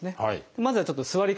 まずはちょっと座り方から。